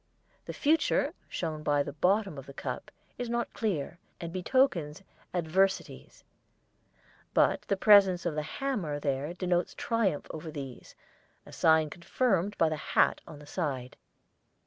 The future, shown by the bottom of the cup, is not clear, and betokens adversities; but the presence of the hammer there denotes triumph over these, a sign confirmed by the hat on the side.